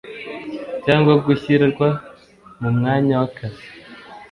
cyangwa gushyirwa mu mwanya w’akazi